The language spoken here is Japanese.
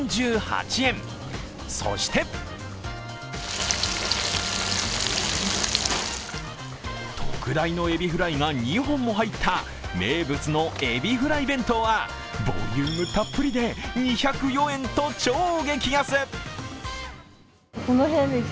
そして特大の海老フライが２本も入った名物の海老フライ弁当はボリュームたっぷりで２０４円と超激安。